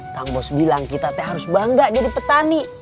kang bos bilang kita teh harus bangga jadi petani